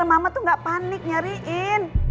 mama tuh gak panik nyariin